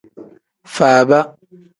Faaba.